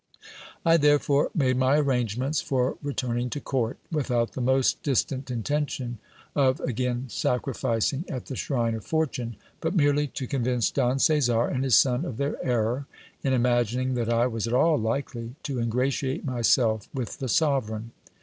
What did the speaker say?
I therefore made my arrangements for returning to court, without the most distant intention of again sacrificing at the shrine of fortune, but merely to con vince Don Caesar and his son of their error, in imagining that I was at all likely to ingratiate myself with the sovereign.